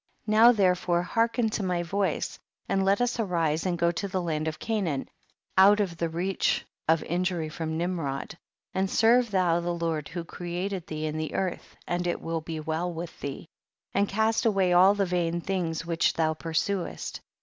68. Now therefore hearken to my voice, and let us arise and go to the land of Canaan, out of tlie reach of injury from Nimrod ; and serve thou the Lord who created thee in the earth and it will be well with thee ; and cast away all the vain things which thou pursuest.